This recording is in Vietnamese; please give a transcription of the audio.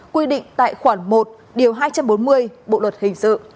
quy định tại khoản một điều hai trăm bốn mươi bộ luật hình sự